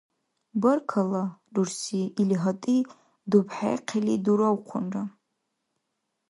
— Баркалла, рурси, — или, гьатӏи дубхӏехъили, дуравхъунра.